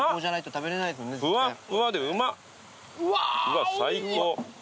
うわ最高。